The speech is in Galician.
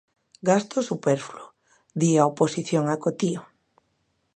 Gasto superfluo, di a oposición acotío.